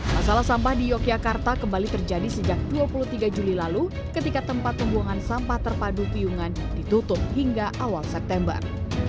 masalah sampah di yogyakarta kembali terjadi sejak dua puluh tiga juli lalu ketika tempat pembuangan sampah terpadu piungan ditutup hingga awal september